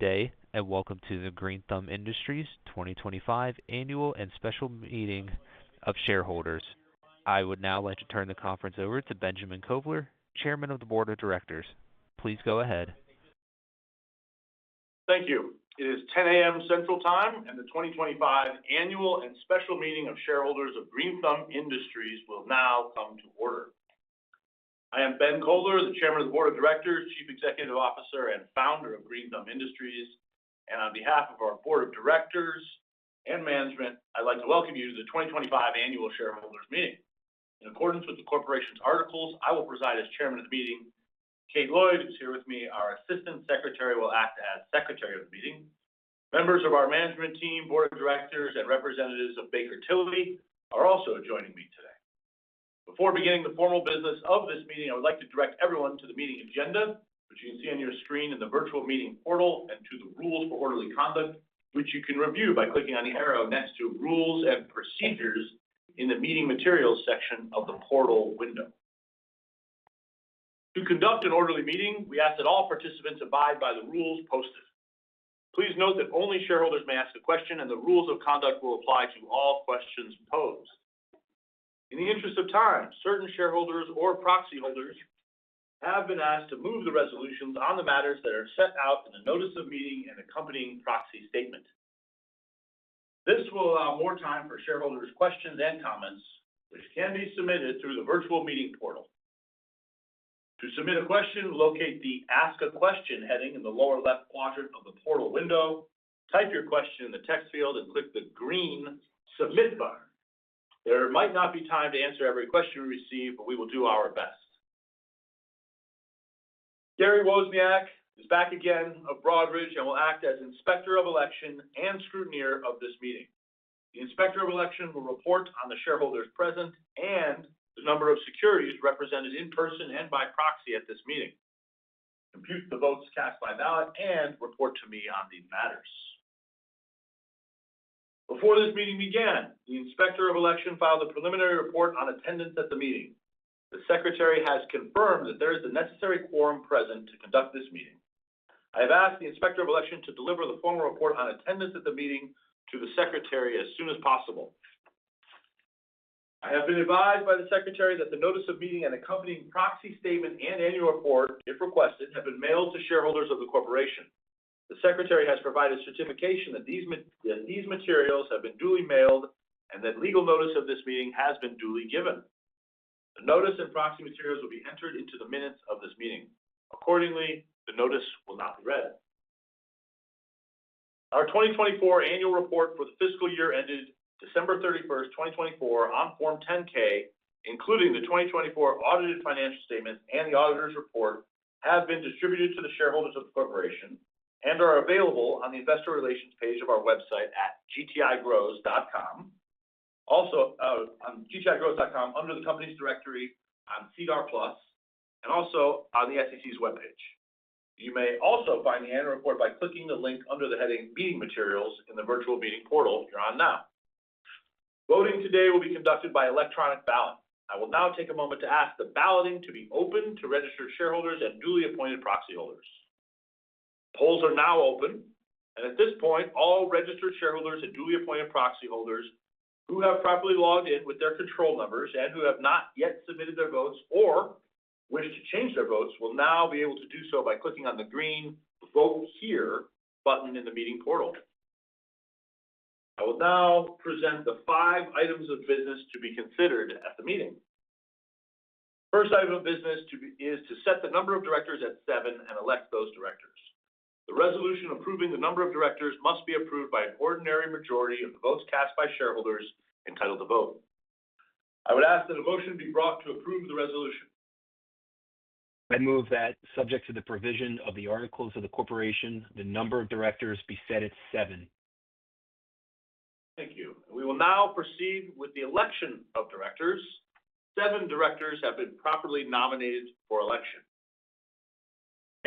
Good day and welcome to the Green Thumb Industries 2025 Annual and Special Meeting of Shareholders. I would now like to turn the conference over to Benjamin Kovler, Chairman of the Board of Directors. Please go ahead. Thank you. It is 10:00 A.M. Central Time, and the 2025 Annual and Special Meeting of Shareholders of Green Thumb Industries will now come to order. I am Ben Kovler, the Chairman of the Board of Directors, Chief Executive Officer, and Founder of Green Thumb Industries, and on behalf of our Board of Directors and management, I'd like to welcome you to the 2025 Annual Shareholders Meeting. In accordance with the corporation's articles, I will preside as Chairman of the Meeting. Kate Lloyd, who's here with me, our Assistant Secretary, will act as Secretary of the Meeting. Members of our management team, Board of Directors, and representatives of Baker Tilly are also joining me today. Before beginning the formal business of this meeting, I would like to direct everyone to the meeting agenda, which you can see on your screen in the virtual meeting portal, and to the Rules for Orderly Conduct, which you can review by clicking on the arrow next to Rules and Procedures in the Meeting Materials section of the portal window. To conduct an orderly meeting, we ask that all participants abide by the rules posted. Please note that only shareholders may ask a question, and the rules of conduct will apply to all questions posed. In the interest of time, certain shareholders or proxy holders have been asked to move the resolutions on the matters that are set out in the Notice of Meeting and accompanying proxy statement. This will allow more time for shareholders' questions and comments, which can be submitted through the virtual meeting portal. To submit a question, locate the Ask a Question heading in the lower left quadrant of the portal window, type your question in the text field, and click the green Submit button. There might not be time to answer every question we receive, but we will do our best. Gary Wozniak is back again of Broadridge and will act as Inspector of Election and Scrutineer of this meeting. The Inspector of Election will report on the shareholders present and the number of securities represented in person and by proxy at this meeting. Compute the votes cast by ballot and report to me on these matters. Before this meeting began, the Inspector of Election filed a preliminary report on attendance at the meeting. The Secretary has confirmed that there is the necessary quorum present to conduct this meeting. I have asked the Inspector of Election to deliver the formal report on attendance at the meeting to the Secretary as soon as possible. I have been advised by the Secretary that the Notice of Meeting and accompanying proxy statement and annual report, if requested, have been mailed to shareholders of the corporation. The Secretary has provided certification that these materials have been duly mailed and that legal notice of this meeting has been duly given. The notice and proxy materials will be entered into the minutes of this meeting. Accordingly, the notice will not be read. Our 2024 annual report for the fiscal year ended December 31st, 2024, on Form 10-K, including the 2024 audited financial statements and the auditor's report, have been distributed to the shareholders of the corporation and are available on the Investor Relations page of our website at gtigrows.com, also on gtigrows.com under the Companies Directory on SEDAR+, and also on the SEC's webpage. You may also find the annual report by clicking the link under the heading Meeting Materials in the virtual meeting portal you're on now. Voting today will be conducted by electronic ballot. I will now take a moment to ask the balloting to be open to registered shareholders and duly appointed proxy holders. Polls are now open, and at this point, all registered shareholders and duly appointed proxy holders who have properly logged in with their control numbers and who have not yet submitted their votes or wish to change their votes will now be able to do so by clicking on the green Vote Here button in the meeting portal. I will now present the five items of business to be considered at the meeting. The first item of business is to set the number of directors at seven and elect those directors. The resolution approving the number of directors must be approved by an ordinary majority of the votes cast by shareholders entitled to vote. I would ask that a motion be brought to approve the resolution. I move that, subject to the provision of the Articles of the Corporation, the number of directors be set at seven. Thank you. We will now proceed with the election of directors. Seven directors have been properly nominated for election.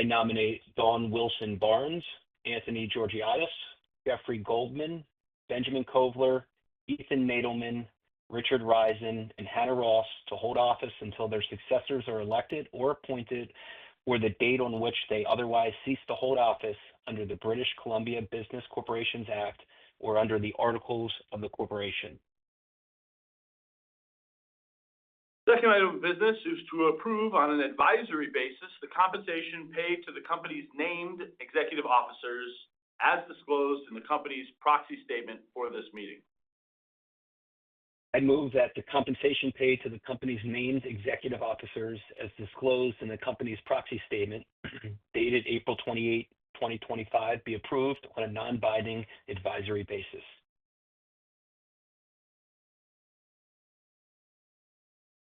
I nominate Dawn Wilson Barnes, Anthony Georgiadis, Jeffrey Goldman, Benjamin Kovler, Ethan Nadelmann, Richard Reisin, and Hannah Ross to hold office until their successors are elected or appointed or the date on which they otherwise cease to hold office under the British Columbia Business Corporations Act or under the Articles of the Corporation. The second item of business is to approve on an advisory basis the compensation paid to the company's named executive officers as disclosed in the company's proxy statement for this meeting. I move that the compensation paid to the company's named executive officers, as disclosed in the company's proxy statement dated April 28, 2025, be approved on a non-binding advisory basis.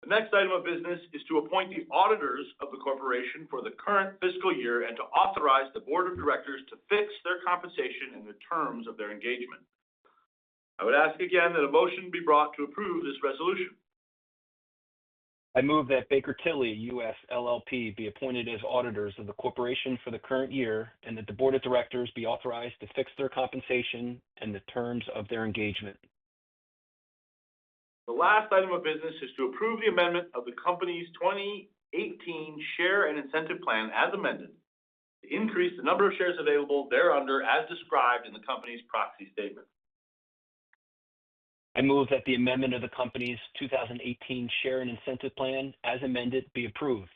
The next item of business is to appoint the auditors of the corporation for the current fiscal year and to authorize the Board of Directors to fix their compensation and the terms of their engagement. I would ask again that a motion be brought to approve this resolution. I move that Baker Tilly US, LLP be appointed as auditors of the corporation for the current year and that the Board of Directors be authorized to fix their compensation and the terms of their engagement. The last item of business is to approve the amendment of the company's 2018 Share and Incentive Plan as amended, to increase the number of shares available thereunder as described in the company's proxy statement. I move that the amendment of the company's 2018 Share and Incentive Plan as amended be approved.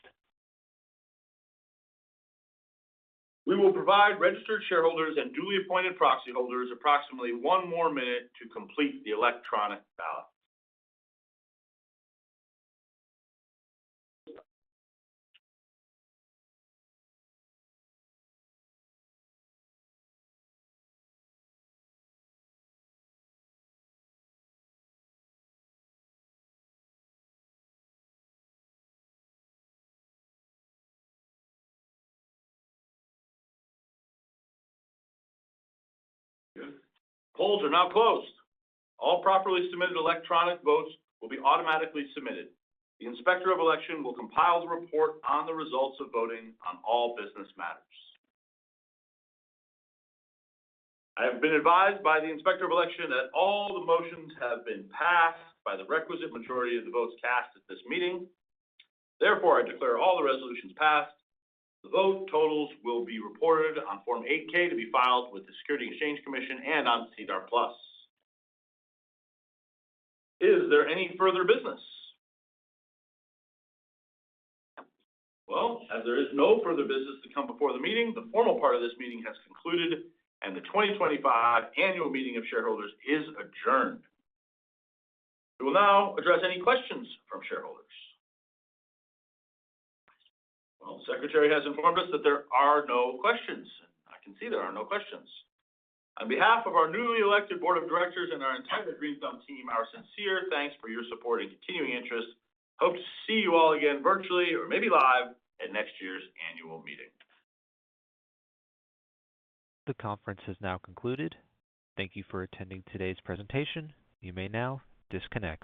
We will provide registered shareholders and duly appointed proxy holders approximately one more minute to complete the electronic ballot. Polls are now closed. All properly submitted electronic votes will be automatically submitted. The Inspector of Election will compile the report on the results of voting on all business matters. I have been advised by the Inspector of Election that all the motions have been passed by the requisite majority of the votes cast at this meeting. Therefore, I declare all the resolutions passed. The vote totals will be reported on Form 8-K to be filed with the Securities and Exchange Commission and on SEDAR+. Is there any further business? Well, as there is no further business to come before the meeting, the formal part of this meeting has concluded, and the 2025 Annual Meeting of Shareholders is adjourned. We will now address any questions from shareholders. The Secretary has informed us that there are no questions. I can see there are no questions. On behalf of our newly elected Board of Directors and our entire Green Thumb team, our sincere thanks for your support and continuing interest. Hope to see you all again virtually or maybe live at next year's annual meeting. The conference has now concluded. Thank you for attending today's presentation. You may now disconnect.